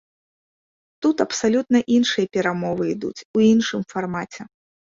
Тут абсалютна іншыя перамовы ідуць, у іншым фармаце.